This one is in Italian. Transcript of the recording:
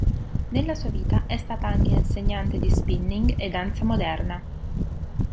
Nella sua vita è stata anche insegnante di spinning e danza moderna.